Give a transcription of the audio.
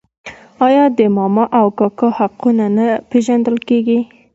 آیا د ماما او کاکا حقونه نه پیژندل کیږي؟